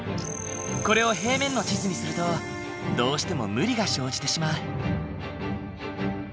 これを平面の地図にするとどうしても無理が生じてしまう。